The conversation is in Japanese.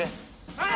はい！